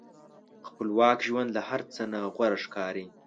خپلواک ژوند له هر څه نه غوره ښکاري.